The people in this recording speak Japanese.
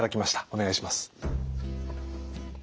お願いします。